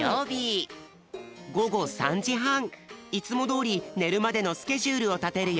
ごご３じはんいつもどおりねるまでのスケジュールをたてるよ。